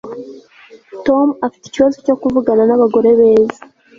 Tom afite ikibazo cyo kuvugana nabagore beza